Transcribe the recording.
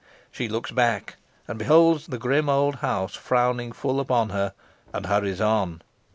She looks back, and beholds the grim old house frowning full upon her, and hurries on.